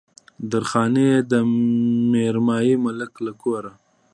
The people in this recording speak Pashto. درخانۍ يې د ميرمايي ملک له کوره